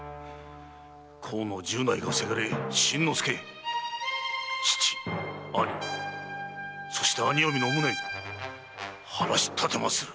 河野十内が伜・新之助義父義兄そして兄嫁の無念晴らしたてまつる！